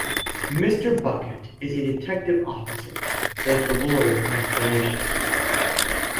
Mr. Bucket is a detective officer, says the lawyer in explanation.